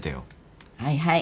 はいはい。